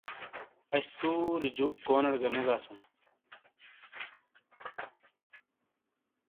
اش سُوری جُوک کونیڑے گہ نے گاسوں۔